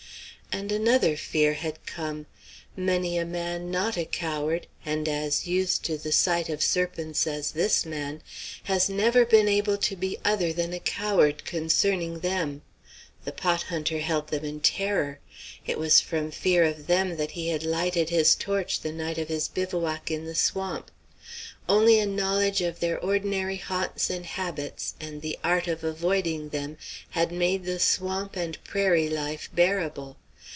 And another fear had come. Many a man not a coward, and as used to the sight of serpents as this man, has never been able to be other than a coward concerning them. The pot hunter held them in terror. It was from fear of them that he had lighted his torch the night of his bivouac in the swamp. Only a knowledge of their ordinary haunts and habits and the art of avoiding them had made the swamp and prairie life bearable.